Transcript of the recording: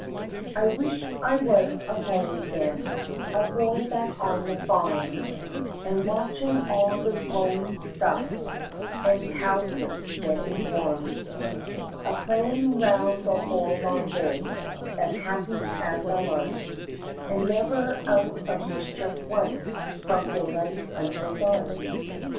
I wish I was a boy again A boy back on the farm A watchin' all the growin' stuff, An' cowslips gettin' warm. A playin' round the whole long day As happy as a lark, An' never out of mischief once From daylight until dark.